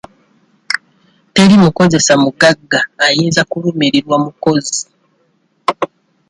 Teri mukozesa mugagga ayinza kulumirirwa mukozi.